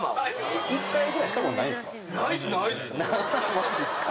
・マジっすか？